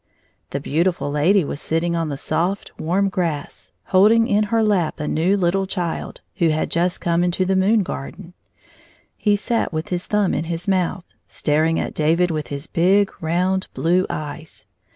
The beautiftil lady was sitting on the soft, warm grass, holding in her lap a new little child, who had just come into the moon garden. He sat with his thumb in his mouth, staring at David with his big, round, blue eyes.